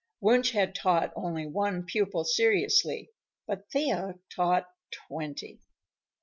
Wunsch had taught only one pupil seriously, but Thea taught twenty.